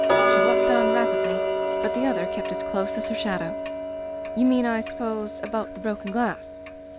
She walked on rapidly, but the other kept as close as her shadow. "You mean, I suppose, about the broken glass."